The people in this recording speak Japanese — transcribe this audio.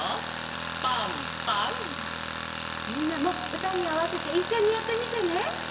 みんなもうたにあわせていっしょにやってみてね！